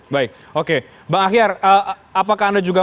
baik oke bang ahyar apakah anda juga